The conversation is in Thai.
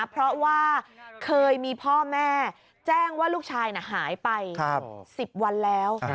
เพราะว่าเคยมีพ่อแม่แจ้งว่าลูกชายหายไป๑๐วันแล้ว